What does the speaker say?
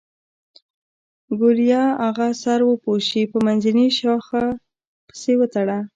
ګوليه اغه سر پوشوې په منځني شاخ پسې وتړه.